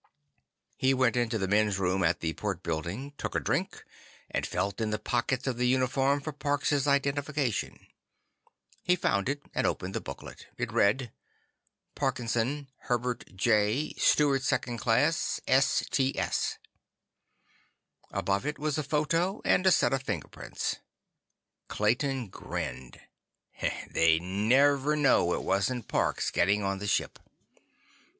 He went into the men's room at the Port Building, took a drink, and felt in the pockets of the uniform for Parks' identification. He found it and opened the booklet. It read: PARKINSON, HERBERT J. Steward 2nd Class, STS Above it was a photo, and a set of fingerprints. Clayton grinned. They'd never know it wasn't Parks getting on the ship.